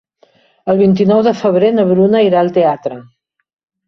El vint-i-nou de febrer na Bruna irà al teatre.